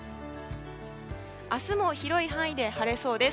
明日も広い範囲で晴れそうです。